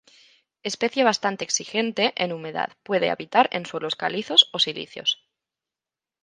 Especie bastante exigente en humedad, puede habitar en suelos calizos o silíceos.